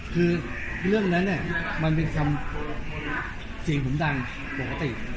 คือเรื่องนั้นมันเป็นคำเสียงผมดังปกติ